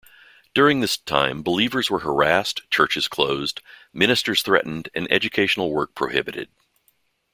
During this time believers were harassed, churches closed, ministers threatened, and educational work prohibited.